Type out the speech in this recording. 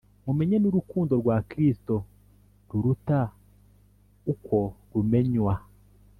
mumenye n'urukundo rwa Kristo ruruta uko rumenywa;